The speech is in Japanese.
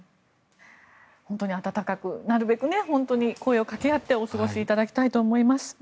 本当に暖かくなるべく声をかけ合ってお過ごしいただきたいと思います。